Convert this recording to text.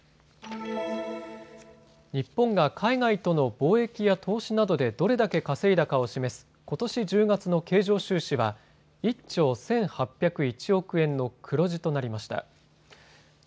日本が海外との貿易や投資などでどれだけ稼いだかを示すことし１０月の経常収支は１兆１８０１億円の黒字となりました。